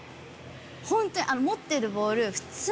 ホントに持ってるボール。